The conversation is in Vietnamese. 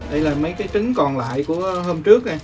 đây là mấy trứng còn lại của hôm trước